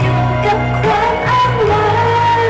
อยู่กับความอ้างมัน